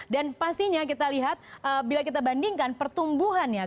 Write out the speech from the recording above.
dan pastinya kita lihat bila kita bandingkan pertumbuhannya